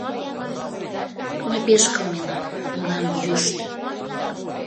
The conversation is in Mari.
Мый пеш кылменам, мылам йӱштӧ.